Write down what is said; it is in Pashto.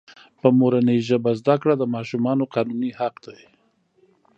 په مورنۍ ژبه زده کړه دماشومانو قانوني حق دی.